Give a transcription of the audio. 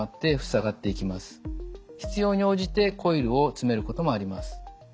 必要に応じてコイルを詰めることもあります。